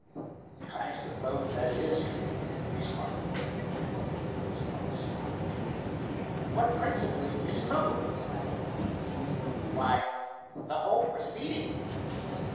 "I suppose that is true," responded the young aviator, with a slight smile. "What principally is troubling you, Hiram?" "Why, the whole proceeding.